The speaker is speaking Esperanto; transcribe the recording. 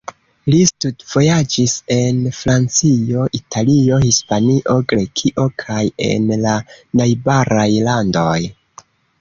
Li studvojaĝis en Francio, Italio, Hispanio, Grekio kaj en la najbaraj landoj.